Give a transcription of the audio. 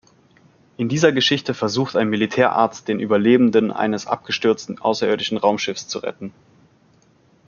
In dieser Geschichte versucht ein Militärarzt den Überlebenden eines abgestürzten, außerirdischen Raumschiffs zu retten.